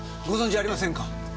ご存じありませんか？